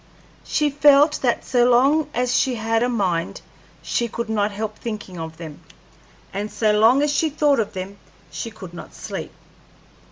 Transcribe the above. She felt that so long as she had a mind she could not help thinking of them, and so long as she thought of them she could not sleep.